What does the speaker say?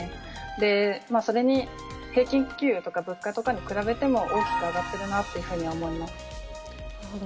で、それに平均給与とか、物価とかに比べても大きく上がっているなとなるほど。